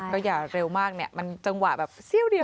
ก็อย่าเร็วมากเนี่ยมันจังหวะแบบเสี้ยวเดียว